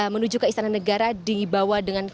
menuju ke istana negara dibawa dengan